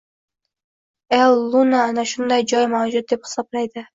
El Luna ana shunday joy mavjud, deb hisoblaydi